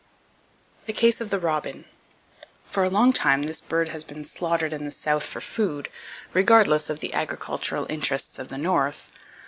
The Case Of The Robin. —For a long time this bird has been slaughtered in the South for food, regardless of the agricultural interests of the North.